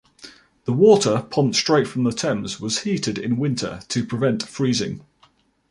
The water, pumped straight from the Thames, was heated in winter to prevent freezing.